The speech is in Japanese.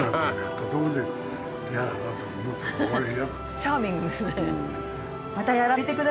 チャーミングですね。